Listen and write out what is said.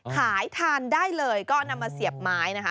ขายทานได้เลยก็นำมาเสียบไม้นะคะ